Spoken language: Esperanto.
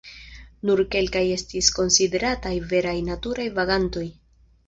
Nur kelkaj estis konsiderataj veraj naturaj vagantoj.